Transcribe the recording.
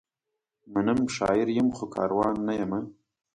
منم، شاعر یم؛ خو کاروان نه یمه